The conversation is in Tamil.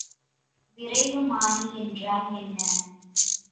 விரைவுமானி என்றால் என்ன?